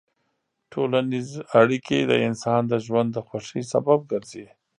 ټولنیز اړیکې د انسان د ژوند د خوښۍ سبب ګرځي.